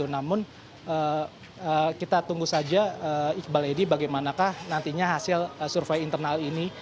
namun kita tunggu saja iqbal edi bagaimanakah nantinya hasil survei internal ini